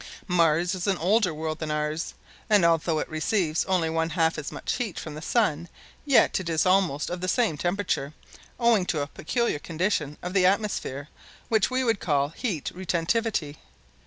Mars is an older world than ours, and although it receives only one half as much heat from the sun yet it is almost of the same temperature, owing to a peculiar condition of the atmosphere which we would call "heat retentivity."